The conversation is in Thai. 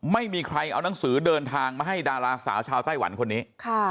ไม่มีใครเอานังสือเดินทางมาให้ดาราสาวชาวไต้หวันคนนี้